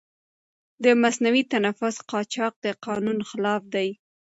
د مصنوعي تنفس قاچاق د قانون خلاف دی.